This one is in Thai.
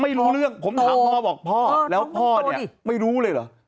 ไม่รู้เรื่องผมถามพ่อบอกพ่อแล้วพ่อเนี่ยไม่รู้เลยเหรอ